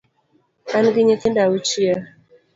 An gi nyithindo auchiel